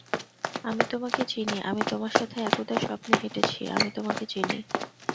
আমি তোমাকে চিনি আমি তোমার সাথে একদা স্বপ্নে হেঁটেছি আমি তোমাকে চিনি।